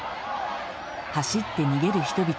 走って逃げる人々。